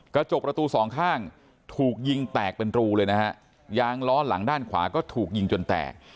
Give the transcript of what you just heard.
กระจกประตูสองข้างถูกยิงแตกเป็นรูเลยนะฮะยางล้อหลังด้านขวาก็ถูกยิงจนแตก